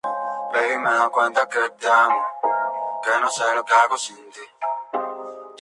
Tuvieron cuatro hijos varones: Eduardo, Diego, Guillermo y Gustavo.